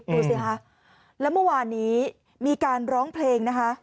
ดูสิคะแล้วเมื่อวานนี้มีการร้องเพลงนะคะ